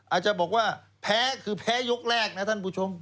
อาจจะบอกว่าแพ้คือแพ้ยกแรกนะท่านผู้ชม